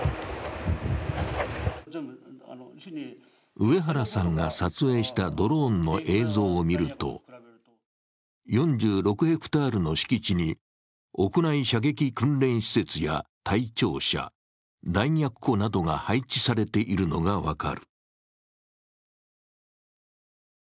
上原さんが撮影したドローンの映像を見ると４６ｈａの敷地に屋内射撃訓練施設や隊庁舎、弾薬庫などが配置されているのが分かる。